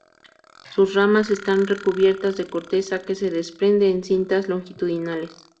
Sus ramas están recubiertas de corteza que se desprende en cintas longitudinales.